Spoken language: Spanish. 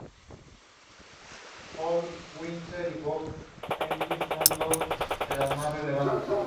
Challengers y torneos menores no se encuentran listados.